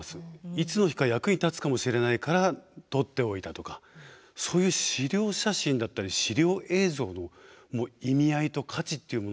いつの日か役に立つかもしれないから取っておいたとかそういう資料写真だったり資料映像の意味合いと価値っていうもの